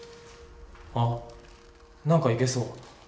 あっ何かいけそう。